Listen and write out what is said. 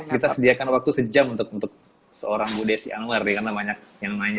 kita sediakan waktu sejam untuk seorang bu desi anwar karena banyak yang nanya